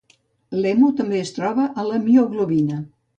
L'hemo també es troba a la mioglobina.